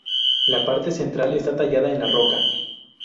La parte central está tallada en la roca.